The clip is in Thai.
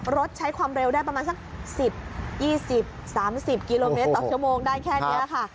รถใช้ความเร็วได้ประมาณสัก๑๐๒๐๓๐กิโลเมตรต่อชั่วโมงได้แค่นี้ค่ะ